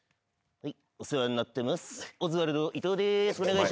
はい。